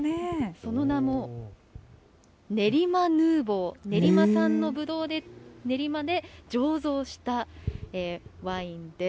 その名も練馬ヌーボー、練馬産のぶどうで、練馬で醸造したワインです。